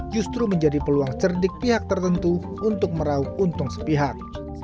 justru menjadi peluang cerdik pihak tertentu untuk merauh untung sepihak